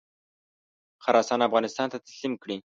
خراسان افغانستان ته تسلیم کړي.